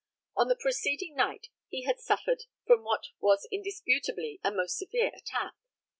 On the preceding night he had suffered from what was indisputably a most severe attack.